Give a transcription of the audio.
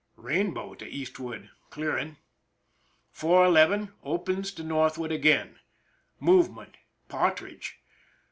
Rainbow to eastward— clearing. 4:11, opens to north ward again. Movement. Partridge.